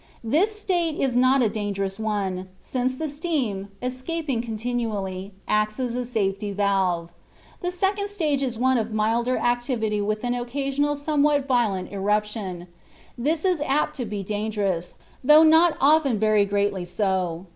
This state is not a dangerous one, since the steam, escaping continually, acts as a safety valve. The second stage is one of milder activity with an occasional somewhat violent eruption; this is apt to be dangerous, though not often very greatly so.